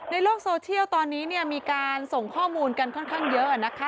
ในโลกโซเชียลตอนนี้เนี่ยมีการส่งข้อมูลกันค่อนข้างเยอะนะคะ